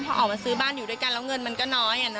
พอออกมาซื้อบ้านอยู่ด้วยกันแล้วเงินมันก็น้อย